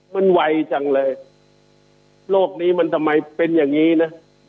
มันไวจังเลยโลกนี้มันทำไมเป็นอย่างนี้นะ